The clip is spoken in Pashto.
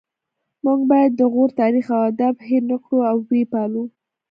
موږ باید د غور تاریخ او ادب هیر نکړو او ويې پالو